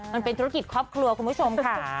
มันเป็นธุรกิจครอบครัวคุณผู้ชมค่ะ